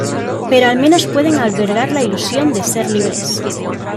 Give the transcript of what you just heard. Pero al menos pueden albergar la ilusión de ser libres.